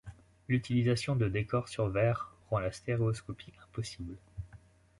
L'utilisation de décors sur verre rend la stéréoscopie impossible.